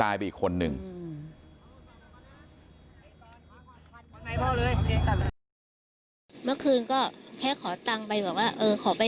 แล้วหลังจากนั้นเราขับหนีเอามามันก็ไล่ตามมาอยู่ตรงนั้น